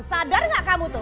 sadar gak kamu tuh